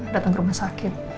datang ke rumah sakit